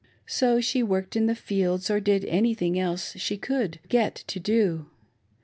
So she worked in the fields, or did any thing else which she could get to do.